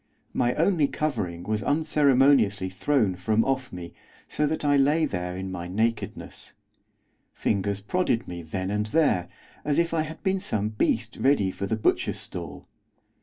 My only covering was unceremoniously thrown from off me, so that I lay there in my nakedness. Fingers prodded me then and there, as if I had been some beast ready for the butcher's stall.